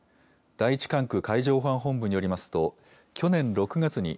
第１管区海上保安本部によりますと、去年６月に、